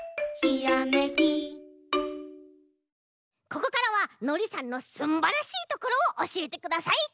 ここからはのりさんのすんばらしいところをおしえてください。